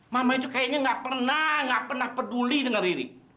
mama itu kayaknya nggak pernah nggak pernah peduli dengan ririk